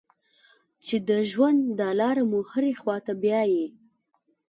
چې د ژوند دا لاره مو هرې خوا ته بیايي.